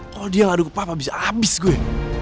kalau dia ngaduk ke papa bisa abis gue